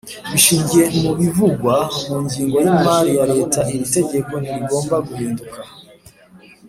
bishingiye mu bivugwa mu ngingo yi mari ya leta iri tegeko ntirigomba guhinduka